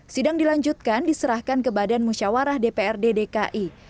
sidang dilanjutkan diserahkan ke badan musyawarah dprd dki